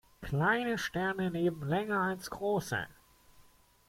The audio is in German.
Kleine Sterne leben länger als große.